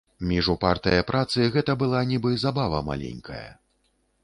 Між упартае працы гэта была нібы забава маленькая.